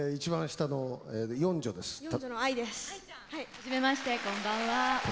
初めましてこんばんは。